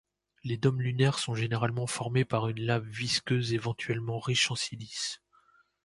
Les dômes lunaire sont généralement formés par une lave visqueuse éventuellement riche en silice.